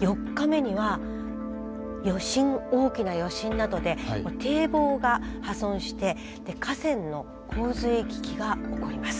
４日目には大きな余震などで堤防が破損して河川の洪水危機が起こります。